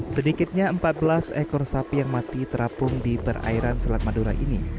sedikitnya empat belas ekor sapi yang mati terapung di perairan selat madura ini